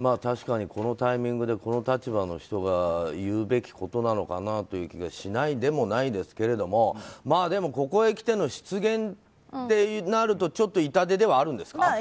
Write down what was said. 確かにこのタイミングでこの立場の人が言うべきことなのかなという気がしないでもないですけどでも、ここへきての失言となるとちょっと痛手ではあるんですか？